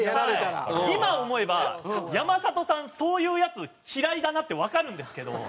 今思えば山里さんそういうヤツ嫌いだなってわかるんですけど。